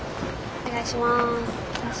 お願いします。